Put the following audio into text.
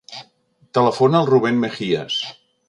Telefona al Rubèn Megias.